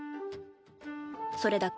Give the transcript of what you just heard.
それだけ。